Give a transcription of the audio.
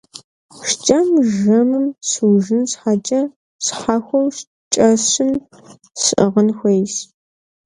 ШкӀэр жэмым щыужын щхьэкӀэ щхьэхуэу шкӀэщым щыӀыгъын хуейщ.